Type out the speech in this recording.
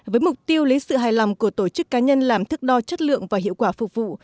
với mục tiêu lấy sự hài lòng của tổ chức cá nhân làm thức đo chất lượng và hiệu quả phục vụ